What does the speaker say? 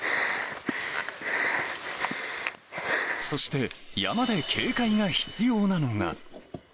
そして山で警戒が必要なのが。